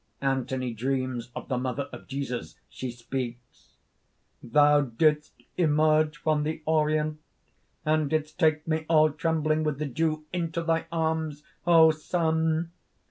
_ Anthony dreams of the Mother of Jesus. She speaks: ) "Thou didst emerge from the Orient, and didst take me, all trembling with the dew, into thy arms, O Sun!